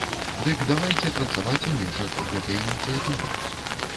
Дык давайце працаваць у межах гэтай ініцыятывы.